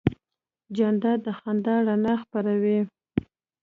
جانداد د خندا رڼا خپروي.